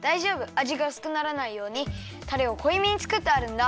あじがうすくならないようにタレをこいめにつくってあるんだ。